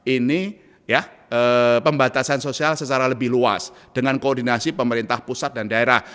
ini ya pembatasan sosial secara lebih luas dengan koordinasi pemerintah pusat dan daerah